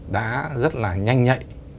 đã rất là nhanh nhạy